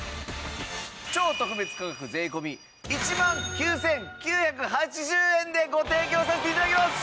超特別価格税込１万９９８０円でご提供させて頂きます！